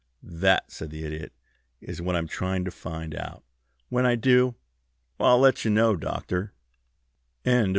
"That," said the Idiot, "is what I am trying to find out. When I do I'll let you know, Doctor." XVI CONCLUSION MR.